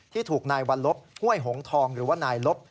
ถูกนายวัลลบห้วยหงทองหรือว่านายลบ